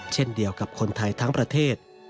เช่นเดียวกับคนไทยทั้งประเทศ